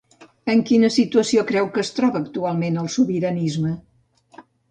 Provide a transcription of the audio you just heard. En quina situació creu que es troba actualment el sobiranisme?